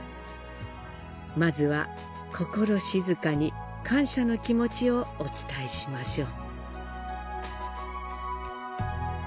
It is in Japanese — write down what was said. まずは心静かに感謝の気持ちをお伝えしましょう。